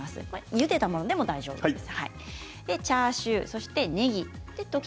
ゆでたものでも大丈夫です。